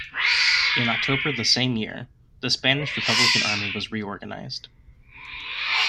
In October the same year, the Spanish Republican Army was reorganized.